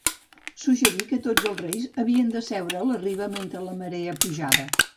Suggerí que tots els reis havien de seure a la riba mentre la marea pujava.